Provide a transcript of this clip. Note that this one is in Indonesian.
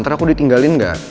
ntar aku ditinggalin gak